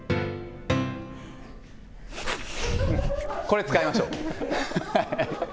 これ使いましょう。